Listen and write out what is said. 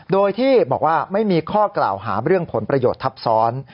โดยที่บอกว่าไม่มีข้อกล่าวหาเรื่องผลประโยชน์ทับซ้อน